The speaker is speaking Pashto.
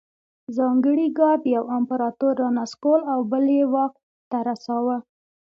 ځانګړي ګارډ یو امپرتور رانسکور او بل یې واک ته رساوه